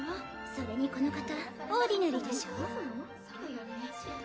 それにこの方オーディナリーでしょう？